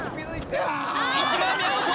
１枚目アウト！